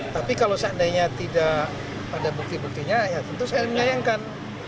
tapi kalau seandainya tidak ada bukti buktinya ya tentu saya menyayangkan